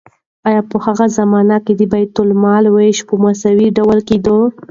آیا په هغه زمانه کې د بیت المال ویش په مساوي ډول کیده؟